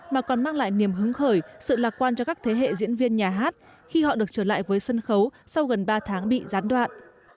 mà còn mang lại niềm hứng khởi sự lạc quan cho các thế hệ diễn viên nhà hát khi họ được trở lại với sân khấu sau gần ba tháng bị gián đoạn